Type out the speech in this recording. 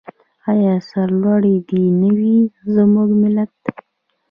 آیا سرلوړی دې نه وي زموږ ملت؟